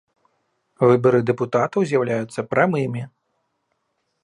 Выбары дэпутатаў з’яўляюцца прамымі.